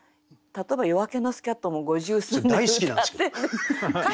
例えば「夜明けのスキャット」も五十数年歌ってる。